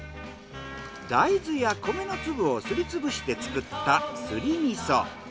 大豆や米の粒をすりつぶして作ったすり味噌。